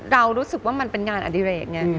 เรารู้สึกว่ามันเป็นงานอดิเรกไง